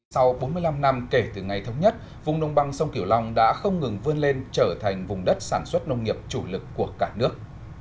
sau bốn mươi năm năm kể từ ngày thống nhất vùng đồng bằng sông kiểu long đã không ngừng vươn lên trở thành vùng đất sản xuất nông nghiệp chủ lực của cả nước